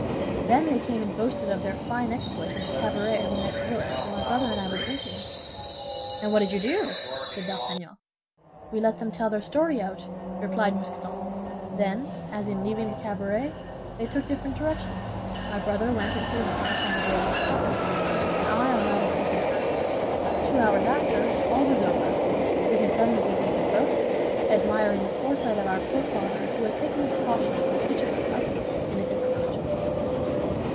Then they came and boasted of their fine exploit in the cabaret of the next village, where my brother and I were drinking." "And what did you do?" said D'Artagnan. "We let them tell their story out," replied Mousqueton. "Then, as in leaving the cabaret they took different directions, my brother went and hid himself on the road of the Catholic, and I on that of the Huguenot. Two hours after, all was over; we had done the business of both, admiring the foresight of our poor father, who had taken the precaution to bring each of us up in a different religion."